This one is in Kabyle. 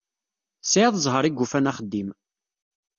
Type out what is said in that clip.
Tesɛiḍ ẓẓher i yufan axeddim.